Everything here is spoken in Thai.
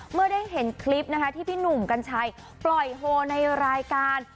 เมื่อได้เห็นคลิปนะคะที่พี่หนุ่มกัญชัยปล่อยโฮในรายการ